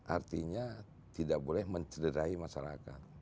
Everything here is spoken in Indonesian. artinya tidak boleh mencederai masyarakat